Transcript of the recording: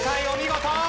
お見事！